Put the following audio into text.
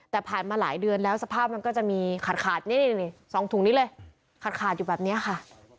แต่ผ่านมาหลายเดือนแล้วสภาพมันก็จะมีขาดนี่๒ถุงนี้เลยขาดอยู่แบบนี้ค่ะ